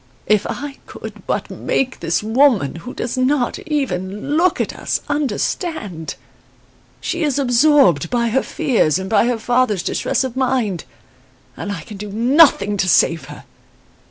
"If I could but make this woman, who does not even look at us, understand! She is absorbed by her fears and by her father's distress of mind. And I can do nothing to save her.